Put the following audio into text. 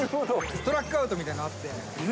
ストラックアウトみたいなのあって。